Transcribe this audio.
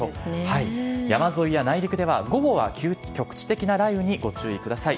山沿いや内陸では午後は局地的な雷雨にご注意ください。